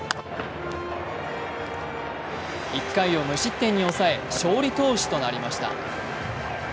１回を無失点に抑え、勝利投手となりました。